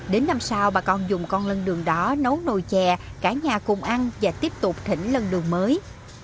đến năm sau bà con dùng con lân đường đó nấu nồi chè cả nhà cùng ăn và tiếp tục thỉnh lân đường mới